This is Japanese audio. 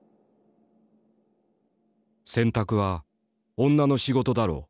「洗濯は女の仕事だろう」。